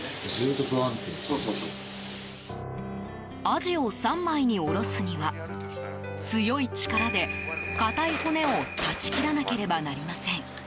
アジを３枚に下ろすには強い力で硬い骨を断ち切らなければなりません。